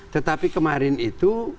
tetapi kemarin itu